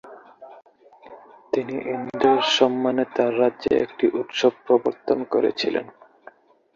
তিনি ইন্দ্রের সম্মানে তাঁর রাজ্যে একটি উৎসব প্রবর্তন করেছিলেন।